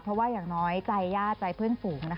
พยายามน้อยใจหญ้าใจเพื่อนสูง